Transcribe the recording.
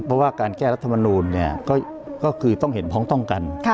เพราะว่าการแก้รัฐมนูลก็คือต้องเห็นพ้องต้องกัน